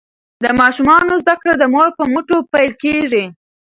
د ماشومانو زده کړې د مور په مټو پیل کیږي.